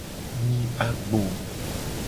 Nyi agbo.